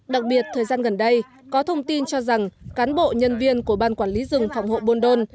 đặc biệt thời gian gần đây có thông tin cho rằng cán bộ nhân viên của ban quản lý rừng phòng hộ buôn đôn